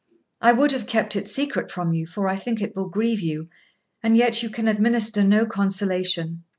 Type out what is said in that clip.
I would have kept it secret from you; for I think it will grieve you, and yet you can administer no consolation.